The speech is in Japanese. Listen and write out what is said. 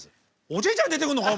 おじいちゃん出てくるのか？